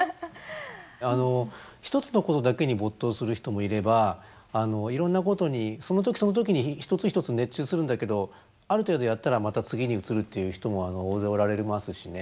一つのことだけに没頭する人もいればいろんなことにその時その時に一つ一つ熱中するんだけどある程度やったらまた次に移るっていう人も大勢おられますしね。